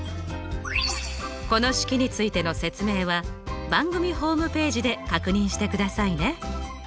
この式についての説明は番組ホームページで確認してくださいね。